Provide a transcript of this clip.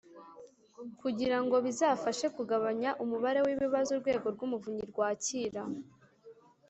kugira ngo bizafashe kugabanya umubare w’ibibazo urwego rw’umuvunyi rwakira